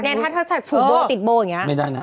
นั้นถ้าเธอใส่สูบบ่ติดบ่อย่างเงี้ย